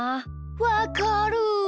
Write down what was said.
わかる。